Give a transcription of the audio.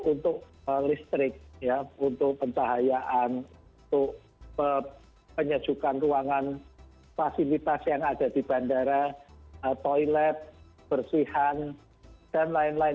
untuk listrik untuk pencahayaan untuk penyejukan ruangan fasilitas yang ada di bandara toilet bersihan dan lain lain